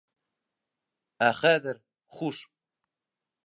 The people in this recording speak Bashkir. Ә хәҙер... хуш!